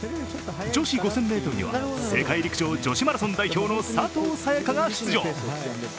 女子５０００ｍには世界陸上女子マラソン代表の佐藤早也伽が出場。